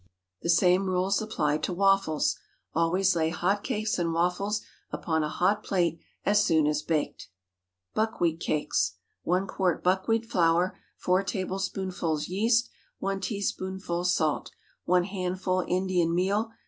The same rules apply to waffles. Always lay hot cakes and waffles upon a hot plate as soon as baked. BUCKWHEAT CAKES. ✠ 1 quart buckwheat flour. 4 tablespoonfuls yeast. 1 teaspoonful salt. 1 handful Indian meal.